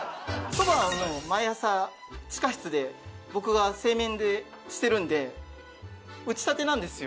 そばはもう毎朝地下室で僕が製麺してるんで打ちたてなんですよ。